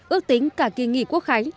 ước tính cả kỳ nghỉ quốc khánh